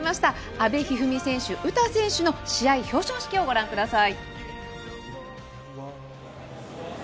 阿部一二三選手、詩選手の試合表彰式をご覧ください。